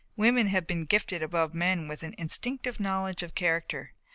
Women have been gifted above men with an instinctive knowledge of character.